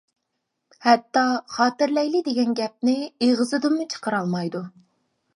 ھەتتا «خاتىرىلەيلى» دېگەن گەپنى ئېغىزىدىنمۇ چىقىرالمايدۇ.